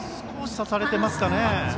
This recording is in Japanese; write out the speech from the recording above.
少し差されていますかね。